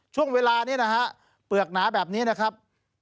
ช่วงเวลานี้นะฮะเปลือกหนาแบบนี้นะครับ